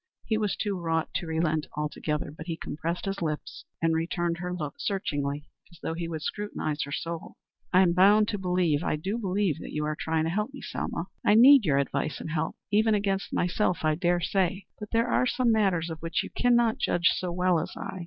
He was too wroth to relent altogether, but he compressed his lips and returned her look searchingly, as though he would scrutinize her soul. "I'm bound to believe, I do believe, that you are trying to help me, Selma. I need your advice and help, even against myself, I dare say. But there are some matters of which you cannot judge so well as I.